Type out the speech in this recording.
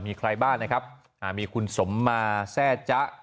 มีใครบ้างนะครับมีคุณสมมาแทร่จ๊ะ